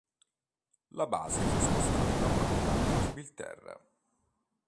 La base fu spostata da Malta a Gibilterra.